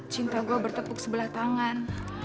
cinta gue bertepuk sebelah tangan